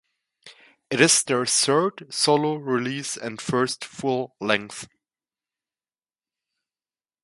It is their third solo release and first full length.